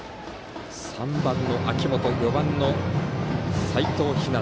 ３番の秋元、４番の齋藤陽。